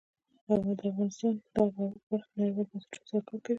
افغانستان د آب وهوا په برخه کې نړیوالو بنسټونو سره کار کوي.